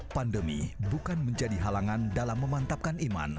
pandemi bukan menjadi halangan dalam memantapkan iman